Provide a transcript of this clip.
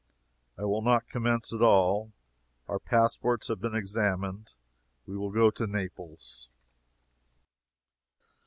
I will not commence at all. Our passports have been examined. We will go to Naples.